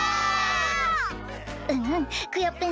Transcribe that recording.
うんうんクヨッペン